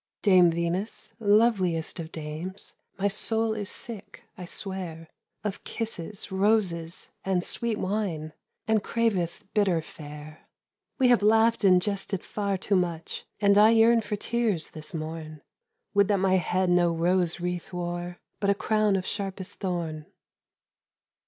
"Dame Venus, loveliest of dames, My soul is sick, I swear, Of kisses, roses and sweet wine, And craveth bitter fare. "We have laughed and jested far too much, And I yearn for tears this morn. Would that my head no rose wreath wore, But a crown of sharpest thorn."